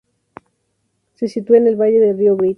Se sitúa en el valle del río Brit.